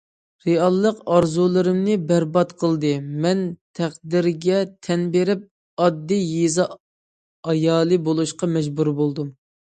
رېئاللىق ئارزۇلىرىمنى بەربات قىلدى، مەن تەقدىرگە تەن بېرىپ، ئاددىي يېزا ئايالى بولۇشقا مەجبۇر بولدۇم.